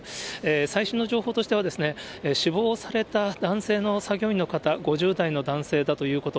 最新の情報としては、死亡された男性の作業員の方、５０代の男性だということ。